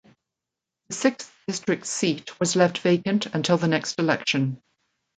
The sixth district seat was left vacant until the next election.